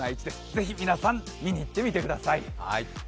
是非、皆さん見に行ってみてください。